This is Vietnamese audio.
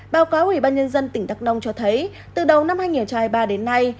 báo cáo ủy ban nhân dân tỉnh đắk nông cho thấy từ đầu năm hai nghìn hai mươi ba đến nay